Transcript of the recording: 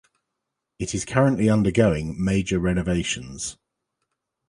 It is currently undergoing major renovations.